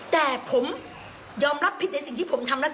แต่ผมยอมรับผิดในสิ่งที่ผมทำแล้ว